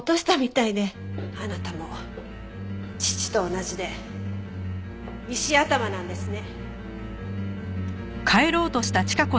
あなたも父と同じで石頭なんですね。